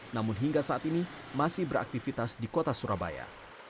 namun hingga saat ini masih beraktivitas di kota surabaya